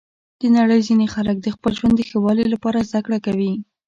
د نړۍ ځینې خلک د خپل ژوند د ښه والي لپاره زده کړه کوي.